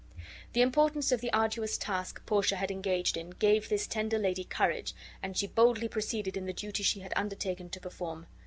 The importance of the arduous task Portia had engaged in gave this tender lady courage, and she boldly proceeded in the duty she had undertaken to perform.